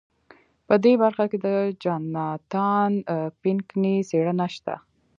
په دې برخه کې د جاناتان پینکني څېړنه شته.